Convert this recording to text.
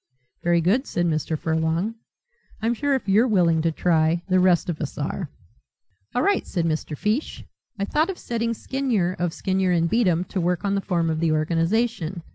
"Very good," said Mr. Furlong, "I'm sure if you're willing to try, the rest of us are." "All right," said Mr. Fyshe. "I thought of setting Skinyer, of Skinyer and Beatem, to work on the form of the organization.